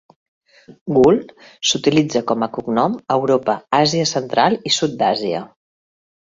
Gul s"utilitza com a cognom a Europa, Àsia Central i Sud d"Àsia.